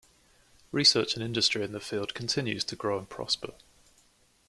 Research and industry in the field continues to grow and prosper.